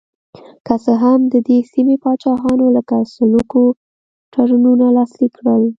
که څه هم د دې سیمې پاچاهانو لکه سلوکو تړونونه لاسلیک کړل.